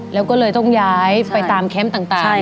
แล้วก็เลยต้องย้ายไปตามแคมป์ต่าง